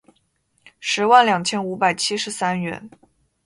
十万两千五百七十三元